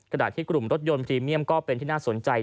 ขณะที่กลุ่มรถยนต์พรีเมียมก็เป็นที่น่าสนใจ